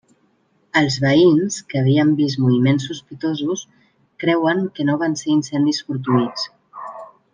Els veïns, que havien vist moviments sospitosos, creuen que no van ser incendis fortuïts.